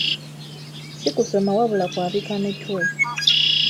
Si kusoma wabula kwabika mitwe.